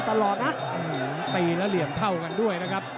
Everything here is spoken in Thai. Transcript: ตีและเหลี่ยมเข้ากันด้วยครับ